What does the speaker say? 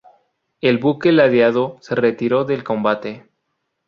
El buque, ladeado, se retiró del combate.